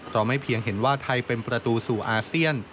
เราไม่เพียงเห็นว่าไทยเป็นประตูสู่อาเซียน